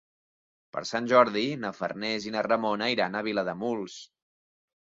Per Sant Jordi na Farners i na Ramona iran a Vilademuls.